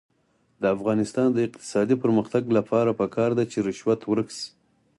د افغانستان د اقتصادي پرمختګ لپاره پکار ده چې رشوت ورک شي.